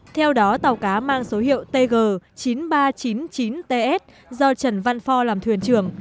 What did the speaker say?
theo đó tàu cá mang số hiệu tg chín nghìn ba trăm chín mươi chín ts do trần văn phò làm thuyền trưởng